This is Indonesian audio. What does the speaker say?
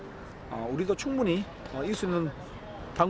jadi kalau kita bisa menang